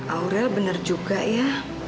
aurel bener juga ya